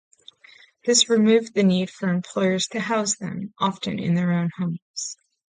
This removed the need for employers to house them, often in their own homes.